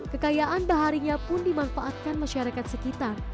kekayaan baharinya pun dimanfaatkan masyarakat sekitar